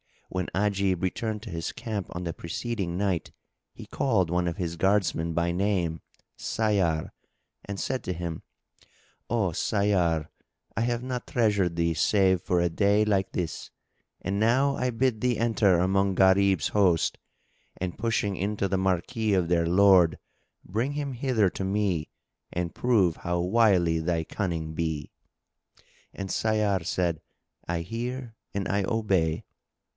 When Ajib returned to his camp on the preceding Night, he called one of his guardsmen by name Sayyar and said to him, "O Sayyar, I have not treasured thee save for a day like this; and now I bid thee enter among Gharib's host and, pushing into the marquee of their lord, bring him hither to me and prove how wily thy cunning be." And Sayyar said, "I hear and I obey."